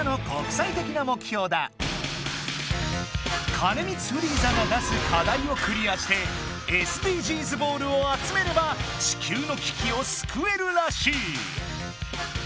兼光フリーザの出す課題をクリアしてＳＤＧｓボールをあつめれば地球のききをすくえるらしい。